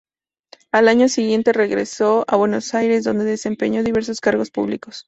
Al año siguiente regresó a Buenos Aires, donde desempeñó diversos cargos públicos.